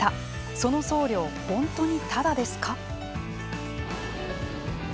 その送料本当にただですか。